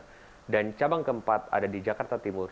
klinik ibuku telah memiliki empat cabang di jakarta timur